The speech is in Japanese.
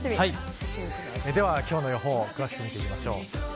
では、今日の予報を詳しく見ていきましょう。